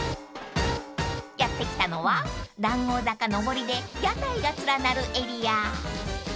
［やって来たのは談合坂上りで屋台が連なるエリア］